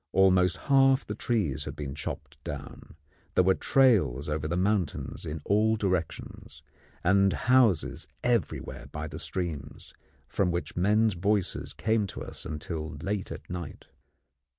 Almost half the trees had been chopped down; there were trails over the mountains in all directions, and houses everywhere by the streams, from which men's voices came to us until late at night.